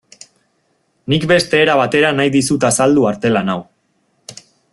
Nik beste era batera nahi dizut azaldu artelan hau.